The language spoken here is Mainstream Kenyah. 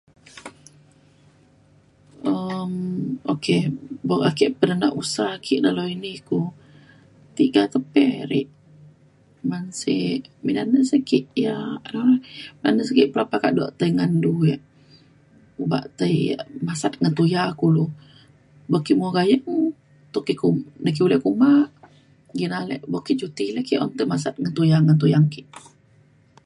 um ok buk ake pernah usa ke dalau ini ku tiga ke pe ri ban sek midan na sek ki ia’ anu re anu si- pelapah kado tai ngan du yak obak tai yak masat ngan tuya kulu buk ki mo gayeng tuk ki ku nai ke ulek uma nggin ale buk ke un cuti la ki un tai masat ngan tuyang tuyang ke